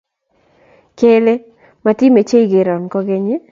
kele matimeche ikero kukeny?